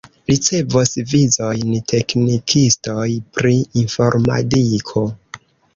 Ricevos vizojn teknikistoj pri informadiko.